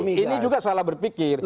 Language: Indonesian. ini juga salah berpikir